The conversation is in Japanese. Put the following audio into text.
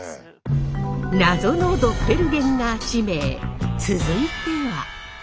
謎のドッペルゲンガー地名続いては？